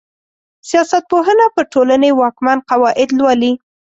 سياست پوهنه پر ټولني واکمن قواعد لولي.